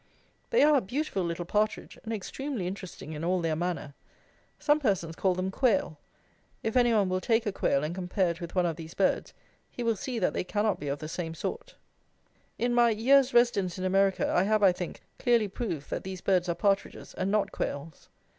They are a beautiful little partridge, and extremely interesting in all their manner. Some persons call them quail. If any one will take a quail and compare it with one of these birds, he will see that they cannot be of the same sort. In my "Year's Residence in America," I have, I think, clearly proved that these birds are partridges, and not quails.